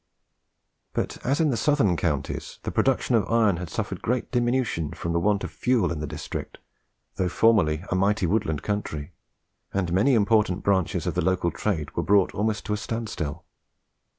But, as in the southern counties, the production of iron had suffered great diminution from the want of fuel in the district, though formerly a mighty woodland country; and many important branches of the local trade were brought almost to a stand still.